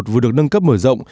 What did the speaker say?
vừa được nâng cấp mở rộng